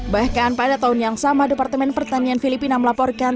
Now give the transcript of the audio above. bahkan pada tahun yang sama departemen pertanian filipina melaporkan